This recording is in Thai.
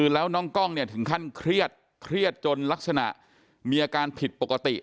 แล้วน้องก้องถึงขั้นเครียดจนลักษณะมีอาการผิดปกติ